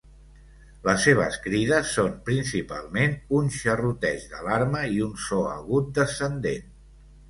Les seves crides són principalment un xerroteig d'alarma i un so agut descendent.